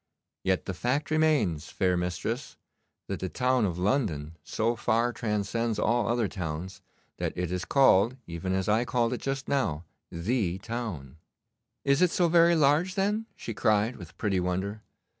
Yet the fact remains, fair mistress, that the town of London so far transcends all other towns that it is called, even as I called it just now, the town.' 'Is it so very large, then?' she cried, with pretty wonder.